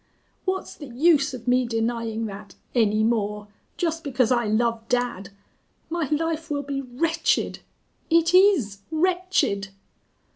What's the use of me denying that any more just because I love dad?... My life will be wretched.... It is wretched!"